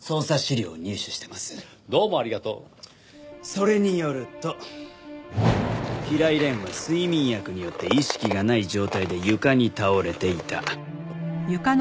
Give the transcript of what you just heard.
それによると平井蓮は睡眠薬によって意識がない状態で床に倒れていた。